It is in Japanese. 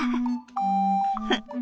フフッ